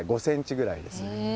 ５センチぐらいです。